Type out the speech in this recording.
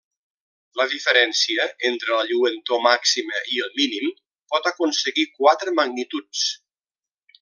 La diferència entre la lluentor màxima i el mínim pot aconseguir quatre magnituds.